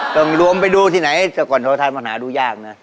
ต้องรวมไปดูที่ไหนแต่ก่อนโทไทยมันหาดูยากนะ